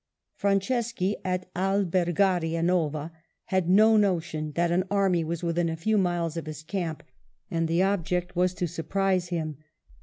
Franceschi, at Albergaria Nova, had no notion that an army was within a few miles of his camp, and the object was to surprise him.